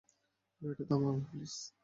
গাড়িটা থামাবে প্লিজ?